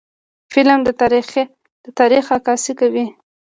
فلم د تاریخ عکاسي کوي